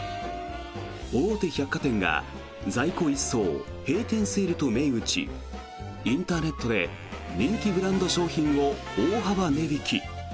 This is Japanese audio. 大手百貨店が在庫一掃、閉店セールと銘打ちインターネットで人気ブランド商品を大幅値引き。